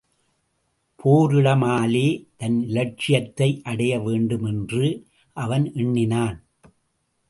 போரிடாமலே தன் இலட்சியத்தை அடைய வேண்டும் என்று அவன் எண்ணினான்.